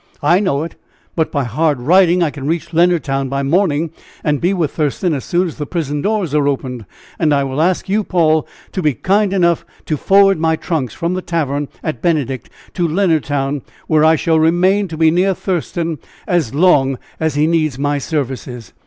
"I know it, but by hard riding I can reach Leonardtown by morning, and be with Thurston as soon as the prison doors are opened. And I will ask you, Paul, to be kind enough to forward my trunks from the tavern at Benedict to Leonardtown, where I shall remain to be near Thurston as long as he needs my services."